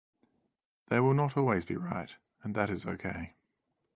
They will not always be right; and that is okay.